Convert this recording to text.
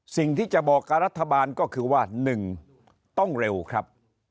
สิ่งที่จะบอกกับรัฐบาลก็คือว่า๑ต้องเร็วครับ